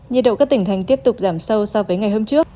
nhiệt độ các tỉnh thành tiếp tục giảm sâu so với ngày hôm trước